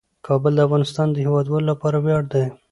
کابل د افغانستان د هیوادوالو لپاره ویاړ دی.